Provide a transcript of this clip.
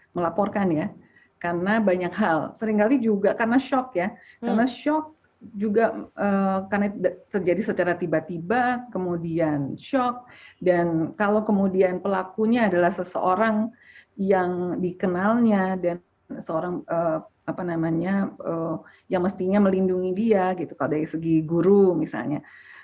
melaporkan ya karena banyak hal sering kali juga karena shock ya karena shock juga karena terjadi secara tiba tiba kemudian shock dan kalau kemudian pelakunya adalah seseorang yang dikenalnya dan seorang apa namanya yang mestinya melindungi dia gitu kalau dari segi guru misalnya